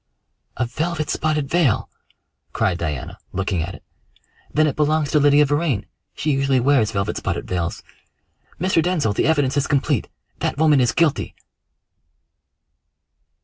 "A velvet spotted veil!" cried Diana, looking at it. "Then it belongs to Lydia Vrain. She usually wears velvet spotted veils. Mr. Denzil, the evidence is complete that woman is guilty!"